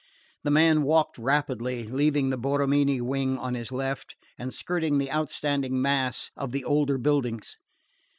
The man walked rapidly, leaving the Borromini wing on his left, and skirting the outstanding mass of the older buildings.